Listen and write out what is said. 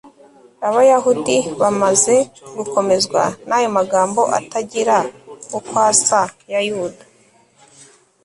abayahudi bamaze gukomezwa n'ayo magambo atagira uko asa ya yuda